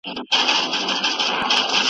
ګرېوان دي لوند دی خونه دي ورانه `